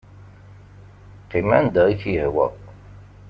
Qqim anda i k-yehwa.